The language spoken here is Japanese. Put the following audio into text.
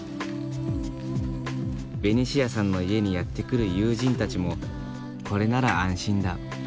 ベニシアさんの家にやって来る友人たちもこれなら安心だ。